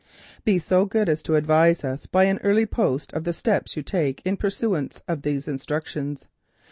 "Be so good as to advise us by an early post of the steps you take in pursuance of these instructions.